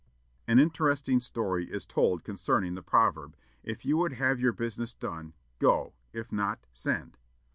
An interesting story is told concerning the proverb, "If you would have your business done, go; if not, send."